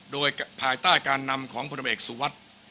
โดยภายใต้การนำของผู้นำเอกสุวรรค